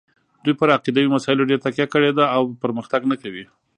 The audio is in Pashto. دوی پر عقیدوي مسایلو ډېره تکیه کړې ده او پرمختګ نه کوي.